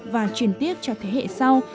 và truyền tiếc cho thế hệ sau